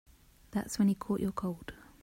That's when he caught your cold.